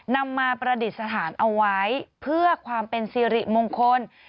นำมาประดิษฐานเอาไว้เพื่อความเป็นสิริมงคล